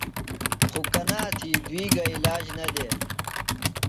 خوکنا تھیۡ، دُوئی گہ عِلاج نہ دےۡ۔